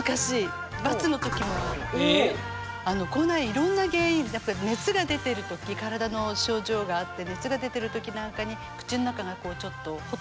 いろんな原因やっぱ熱が出てる時体の症状があって熱が出てる時なんかに口の中がこうちょっとホットな状態。